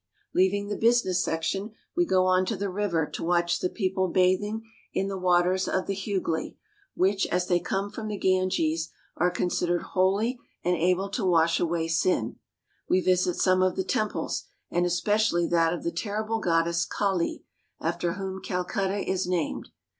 Leaving the business section, we go on to the river to watch the people bathing in the waters of the Hugh, which, as they come from the Ganges, are considered holy and THE CITIES OF INDIA 2$ I able to wash away sin. We visit some of the temples, and especially that of the terrible goddess Kali after whom Calcutta is named.